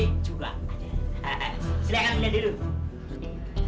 silakan lihat dulu